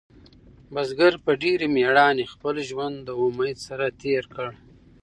بزګر په ډېرې مېړانې خپل ژوند د امید سره تېر کړ.